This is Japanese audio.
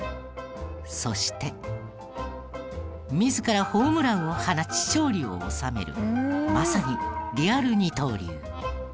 そして自らホームランを放ち勝利を収めるまさにリアル二刀流。